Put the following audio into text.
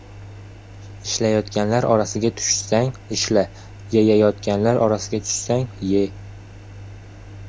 • Ishlayotganlar orasiga tushsang ― ishla, yeyayotganlar orasiga tushsang ― ye.